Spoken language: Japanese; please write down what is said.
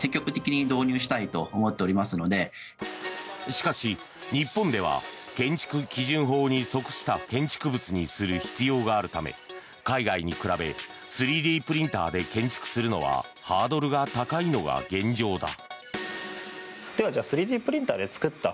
しかし、日本では建築基準法に即した建築物にする必要があるため海外に比べ３Ｄプリンターで建築するのはハードルが高いのが現状だ。